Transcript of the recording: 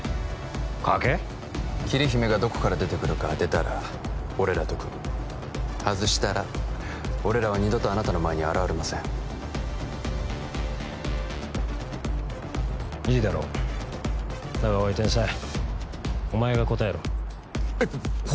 桐姫がどこから出てくるか当てたら俺らと組む外したら俺らは二度とあなたの前に現れませんいいだろうだがおい天才お前が答えろえっ僕！？